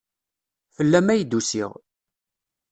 Fell-am ay d-usiɣ.